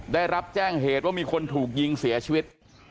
ได้รับแจ้งเหตุว่ามีคนถูกยิงเสียชีวิต